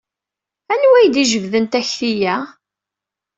Anwa ay d-ijebden takti-a?